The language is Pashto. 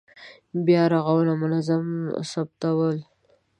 بیا رغونه منظم ثبتول.